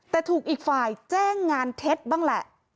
แต่ถูกอีกฝ่ายแจ้งงานเท็จบ้างแหละ